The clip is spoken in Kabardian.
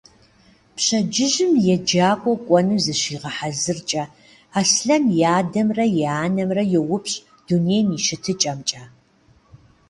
Пщэдджыжьым еджакӀуэ кӀуэну зыщигъэхьэзыркӀэ, Аслъэн и адэмрэ анэмрэ йоупщӀ дунейм и щытыкӀэмкӀэ.